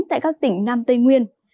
tại các tỉnh nam tây nguyên